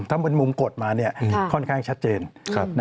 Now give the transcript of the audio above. ถ้าเป็นมุมกดมาค่อนข้างชัดเจน